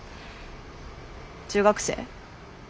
中学生？